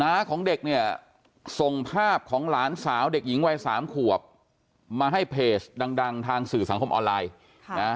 ของเด็กเนี่ยส่งภาพของหลานสาวเด็กหญิงวัยสามขวบมาให้เพจดังทางสื่อสังคมออนไลน์นะ